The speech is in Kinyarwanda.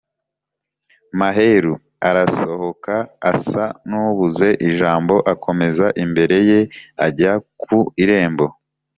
Maheru arasohokaAsa n’ubuze ijamboAkomeza imbere ye ajya ku irembo